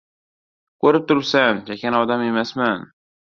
— Ko‘rib turibsan, chakana odam emasman!